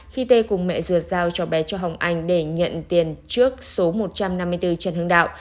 khi tê cùng mẹ ruột giao cho bé cho hồng anh để nhận tiền trước số một trăm năm mươi bốn trần hưng đạo